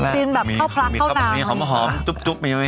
ที่มากทั้งเพราะน้องแหย่งเลย